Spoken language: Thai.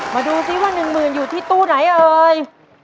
มาดูซิว่า๑หมื่นอยู่ที่ตู้ไหนเอ่ย